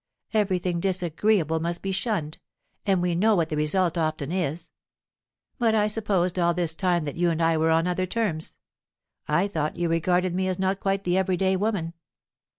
Everything 'disagreeable' must be shunned and we know what the result often is. But I had supposed all this time that you and I were on other terms. I thought you regarded me as not quite the everyday woman.